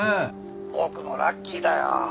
僕もラッキーだよ。